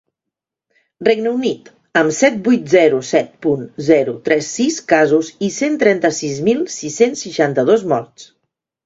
Regne Unit, amb set vuit zero set punt zero tres sis casos i cent trenta-sis mil sis-cents seixanta-dos morts.